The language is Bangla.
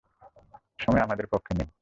সময় আমাদের পক্ষে নেই।